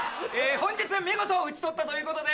本日見事討ち取ったということで。